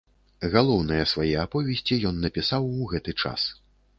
Галоўныя свае аповесці ён напісаў у гэты час.